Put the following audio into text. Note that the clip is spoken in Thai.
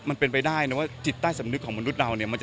มันเป็นไปได้นะว่าจิตใต้สำนึกของมนุษย์เราเนี่ย